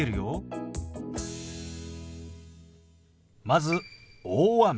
まず「大雨」。